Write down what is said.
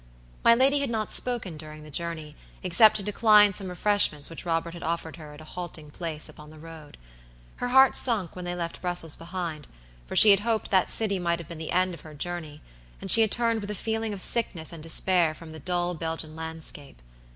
My lady had not spoken during the journey, except to decline some refreshments which Robert had offered her at a halting place upon the road. Her heart sunk when they left Brussels behind, for she had hoped that city might have been the end of her journey, and she had turned with a feeling of sickness and despair from the dull Belgian landscape.